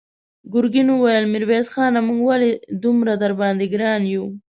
ګرګين وويل: ميرويس خانه! موږ ولې دومره درباندې ګران يو؟